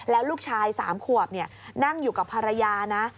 แล้วลูกชาย๓ขวบนั่งอยู่กับภรรยานะ